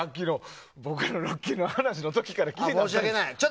僕のロッキンの話の時から気になってたんですよ。